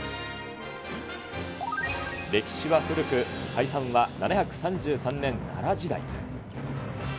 歴史は古く、開山は７３３年奈良時代。